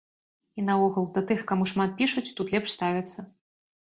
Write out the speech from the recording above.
І наогул, да тых, каму шмат пішуць, тут лепш ставяцца.